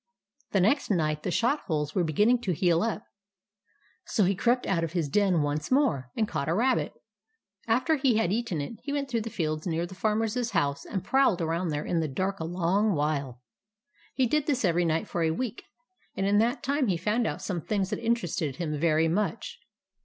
The next night the shot holes were be ginning to heal up, so he crept out of his den once more and caught a rabbit. After he had eaten it, he went through the fields near the Farmer's house, and prowled around there in the dark a long while. He did this every night for a week, and in that time he found out some things that interested him very much.